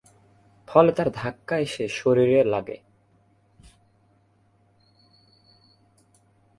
ফলে তার ধাক্কা এসে লাগে শরীরে।